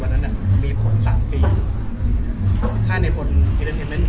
วันนี้เขาพูดแล้วว่าภาพยาพันธ์เวลาที่เล็กนี่มีผลสำเนียม